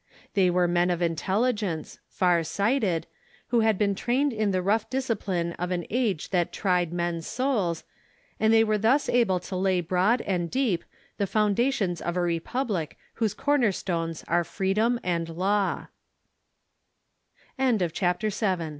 They were men of intelligence, far sighted, who had been trained in the rough discipline of an age that tried men's souls, and they were thus able to lay broad and deep the foundations of a republic whose corner stones are freedom an